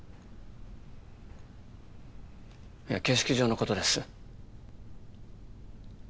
いや形式上のことです